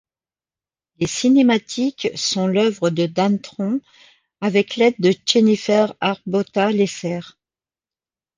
Les cinématiques sont l'œuvre de Dan Thron, avec l'aide de Jennifer Hrabota-Lesser.